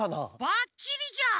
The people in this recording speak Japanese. ばっちりじゃん！